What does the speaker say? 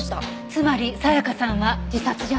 つまり沙也加さんは自殺じゃない。